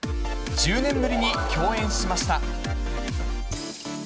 １０年ぶりに共演しました。